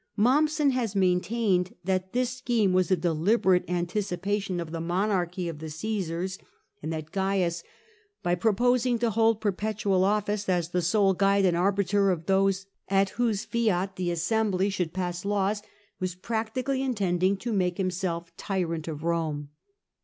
Mommsen has maintained that this scheme was a deliberate anticipation of the monarchy of THE FIRST MEASURES OF CAIUS 57 the Oaeaar^, and that Caius, by proposing to hold perpetual ofSce, the sole guide and arbiter at whose fiat tha assembly should pass Ims, was practically intending to make himself tyrant of Eome.